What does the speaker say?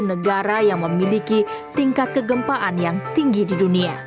negara yang memiliki tingkat kegempaan yang tinggi di dunia